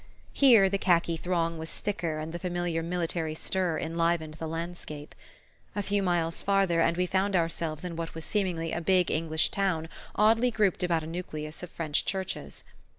Here the khaki throng was thicker and the familiar military stir enlivened the landscape. A few miles farther, and we found ourselves in what was seemingly a big English town oddly grouped about a nucleus of French churches.